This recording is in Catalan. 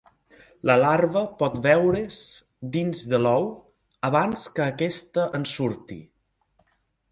La larva pot veure's dins de l'ou abans que aquesta en surti.